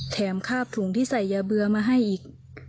คาบถุงที่ใส่ยาเบื่อมาให้อีก